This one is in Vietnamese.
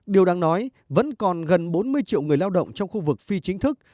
điều đang nói vẫn còn gần bốn mươi triệu người lao động trong khu vực phi chính thức